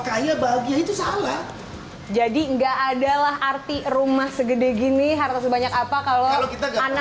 kaya bahagia itu salah jadi enggak adalah arti rumah segede gini harta sebanyak apa kalau anak